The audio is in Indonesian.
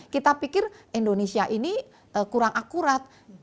kita pikir indonesia ini kurang akurat